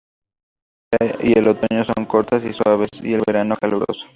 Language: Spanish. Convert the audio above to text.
La primavera y el otoño son cortas y suaves y el verano caluroso.